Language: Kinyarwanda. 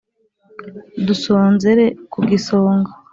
dusonzere kugisonga